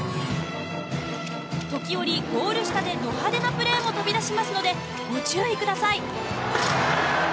時折、ゴール下でど派手なプレーも飛び出しますのでご注意ください。